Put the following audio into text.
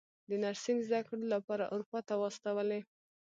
د نرسنګ زده کړو لپاره اروپا ته واستولې.